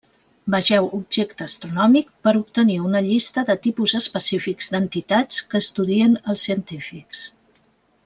Vegeu objecte astronòmic per obtenir una llista de tipus específics d'entitats que estudien els científics.